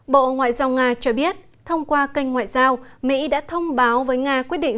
bộ ngoại giao nga cho biết thông qua kênh ngoại giao mỹ đã thông báo với nga quyết định